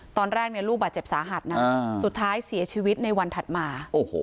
ตอนแรกลูกบาดเจ็บสาหัสนะสุดท้ายเสียชีวิตในวันถัดมา